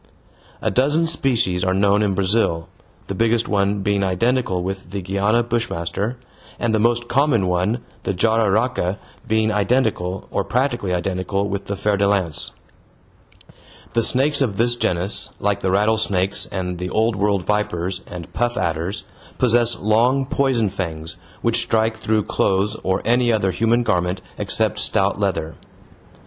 A dozen species are known in Brazil, the biggest one being identical with the Guiana bushmaster, and the most common one, the jararaca, being identical, or practically identical with the fer de lance. The snakes of this genus, like the rattlesnakes and the Old World vipers and puff adders, possess long poison fangs which strike through clothes or any other human garment except stout leather.